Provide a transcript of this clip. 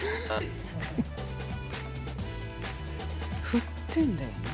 振ってんだよな。